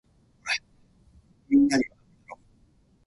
甘いです。